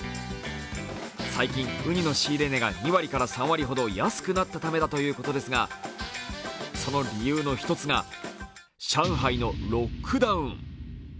最近、うにの仕入れ値が２割から３割ほど安くなったためだということですがその理由の一つが、上海のロックダウン。